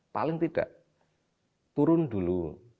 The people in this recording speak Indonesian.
paling tidak turun dulu